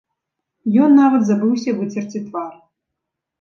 Ён нават забыўся выцерці твар.